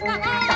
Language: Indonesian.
eh eh erang lu